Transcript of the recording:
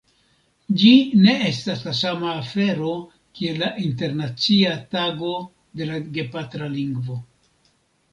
Ĝi ne estas la sama afero kiel la Internacia Tago de la Gepatra Lingvo.